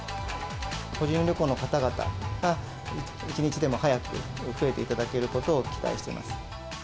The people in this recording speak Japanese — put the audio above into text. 個人旅行の方々が一日でも早く増えていただけることを期待しています。